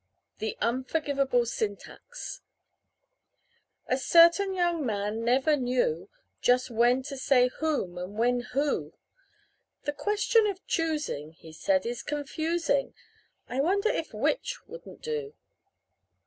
THE UNFORGIVABLE SYNTAX A certain young man never knew Just when to say whom and when who; "The question of choosing," He said, "is confusing; I wonder if which wouldn't do?"